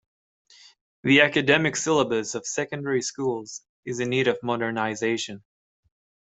The academic syllabus of secondary schools is in need of modernization.